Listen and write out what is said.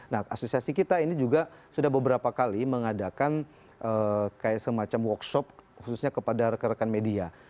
nah asosiasi kita ini juga sudah beberapa kali mengadakan kayak semacam workshop khususnya kepada rekan rekan media